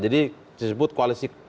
jadi disebut koalisi